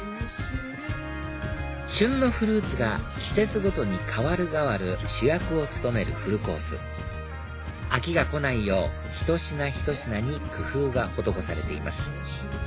旬のフルーツが季節ごとに代わる代わる主役を務めるフルコース飽きが来ないようひと品ひと品に工夫が施されています